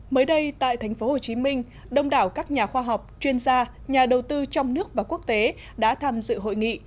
mới đây tại tp hcm đông đảo các nhà khoa học chuyên gia nhà đầu tư trong nước và quốc tế đã tham dự hội nghị